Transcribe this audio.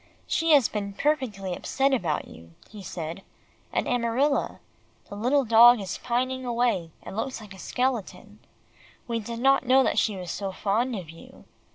"She has been perfectly upset about you," he said, "and Amarilla. The little dog is pining away, and looks like a skeleton. We did not know that she was so fond of you.